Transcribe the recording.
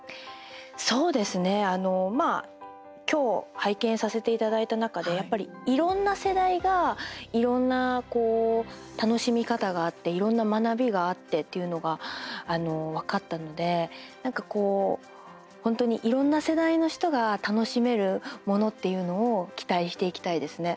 そうですね、あの、まあきょう拝見させていただいた中でやっぱり、いろんな世代がいろんな楽しみ方があっていろんな学びがあってっていうのが分かったのでなんか、本当にいろんな世代の人が楽しめるものっていうのを期待していきたいですね。